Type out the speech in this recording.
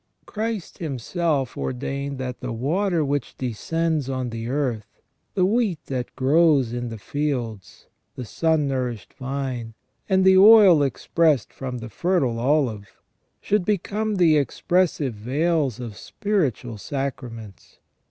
Christ Himself ordained that the water which descends on the earth, the wheat that grows in the fields, the sun nourished vine, and the oil expressed from the fertile olive, should become the expressive veils of spiritual sacraments.